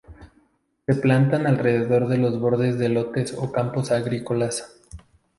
Se plantan alrededor de los bordes de lotes o campos agrícolas.